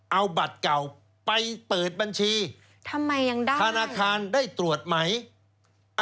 เอาบัตรเก่าไปเปิดบัญชีธนาคารได้ตรวจไหมทำไมยังได้